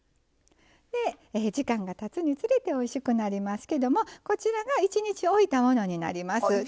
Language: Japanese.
で時間がたつにつれておいしくなりますけどもこちらが１日おいたものになります。